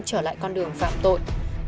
trở lại con đường phạm tội